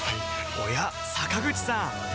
おや坂口さん